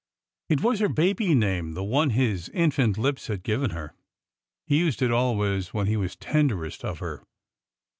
It was her baby name— the one his infant lips had given her. He used it always when he was tenderest of her.